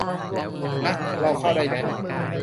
อ๊ะ เราเข้าได้นะ